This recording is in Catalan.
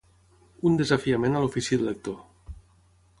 Un desafiament a l’ofici de lector.